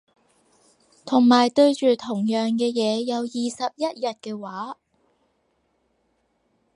同埋對住同樣嘅嘢有二十一日嘅話